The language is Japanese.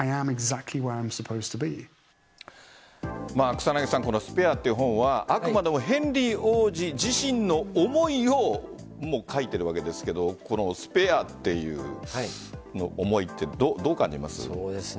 草なぎさん「スペア」という本はあくまでもヘンリー王子自身の思いを書いているわけですけどこのスペアという思いって、どう感じます？